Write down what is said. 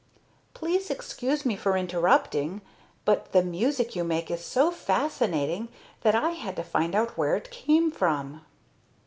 "Please excuse me for interrupting, but the music you make is so fascinating that I had to find out where it came from."